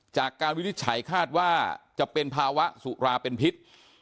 ใจคาดว่าจะเป็นภาวะสุราเป็นพิษ